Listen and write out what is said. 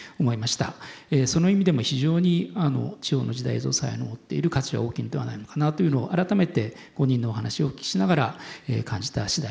その意味でも非常に「地方の時代」映像祭の持っている価値は大きいのではないのかなというのを改めて５人のお話をお聞きしながら感じた次第です。